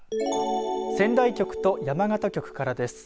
仙台局と山形局からです。